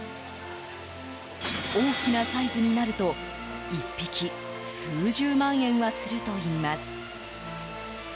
大きなサイズになると１匹数十万円はするといいます。